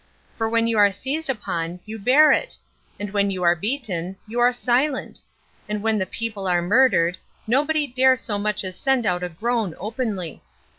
for when you are seized upon, you bear it! and when you are beaten, you are silent! and when the people are murdered, nobody dare so much as send out a groan openly!